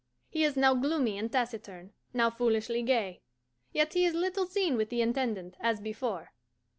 He is now gloomy and taciturn, now foolishly gay, yet he is little seen with the Intendant, as before.